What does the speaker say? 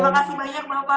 terima kasih banyak pak